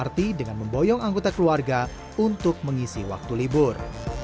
mereka naik mrt dengan memboyong anggota keluarga untuk mengisi waktu libur